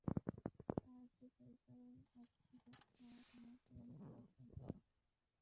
তা একটি ফেরেশতারদল, তারা তোমার কুরআন তিলাওয়াত শুনছিল।